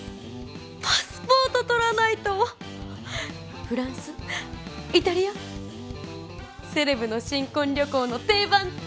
パスポート取らないとフランスイタリアセレブの新婚旅行の定番って？